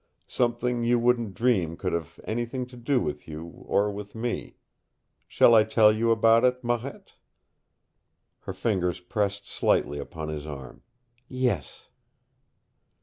"Something you wouldn't dream could have anything to do with you or with me. Shall I tell you about it, Marette?" Her fingers pressed slightly upon his arm. "Yes."